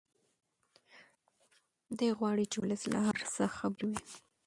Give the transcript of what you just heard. دی غواړي چې ولس له هر څه خبر وي.